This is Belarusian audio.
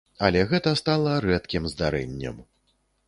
Але гэта стала рэдкім здарэннем.